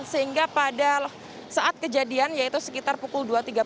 sehingga pada saat kejadian yaitu sekitar pukul dua tiga puluh